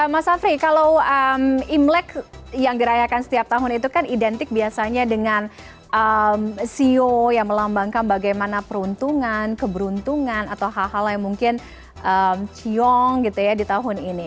mas afri kalau imlek yang dirayakan setiap tahun itu kan identik biasanya dengan ceo yang melambangkan bagaimana peruntungan keberuntungan atau hal hal yang mungkin ciong gitu ya di tahun ini